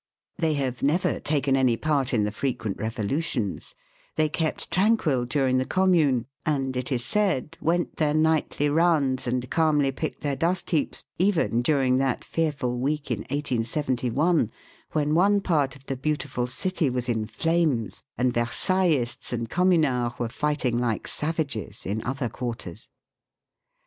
They have never taken any part in the frequent revolutions, they kept tranquil during the Commune, and, it is said, went their nightly rounds and calmly picked their dust heaps, even during that fearful week in 1871, when one part of the beautiful city was in flames, and Versaillists and Communards were fighting like savages in other quarters.